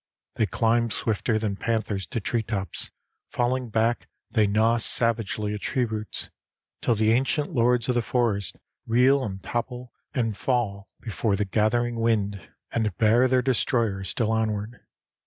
They climb swifter than panthers to treetops, falling back they gnaw savagely at tree roots, till the ancient lords of the forest reel and topple and fall before the gathering wind, and bear their destroyer still onward.